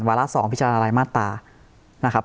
ระ๒พิจารณารายมาตรานะครับ